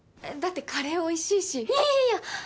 えっだってカレーおいしいし。